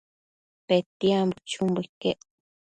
Petiambo chumbo iquec